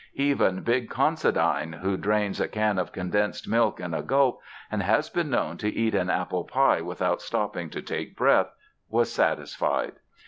Even big Considine, who drains a can of condensed milk at a gulp and has been known to eat an apple pie without stopping to take breath, was satisfied.